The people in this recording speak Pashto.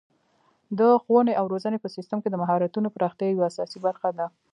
د ښوونې او روزنې په سیستم کې د مهارتونو پراختیا یوه اساسي برخه ده.